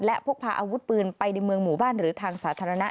และพกพาอาวุธปืนไปในเมืองหมู่บ้านหรือทางสาธารณะ